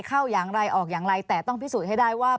เข้าอย่างไรออกอย่างไรแต่ต้องพิสูจน์ให้ได้ว่า